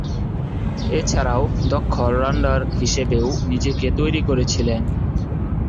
এছাড়াও, দক্ষ অল-রাউন্ডার হিসেবেও নিজেকে তৈরী করেছিলেন।